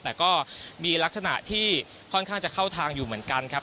แต่ก็มีลักษณะที่ค่อนข้างจะเข้าทางอยู่เหมือนกันครับ